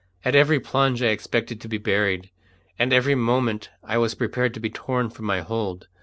At every plunge I expected to be buried, and every moment I was prepared to be torn from my hold.